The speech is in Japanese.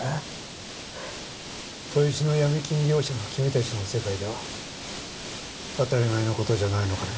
トイチの闇金業者の君たちの世界では当たり前の事じゃないのかね？